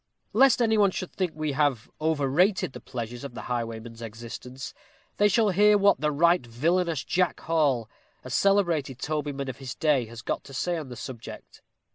Lest any one should think we have overrated the pleasures of the highwayman's existence, they shall hear what "the right villainous" Jack Hall, a celebrated tobyman of his day, has got to say on the subject.